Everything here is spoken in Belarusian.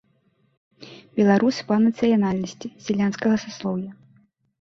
Беларус па нацыянальнасці, з сялянскага саслоўя.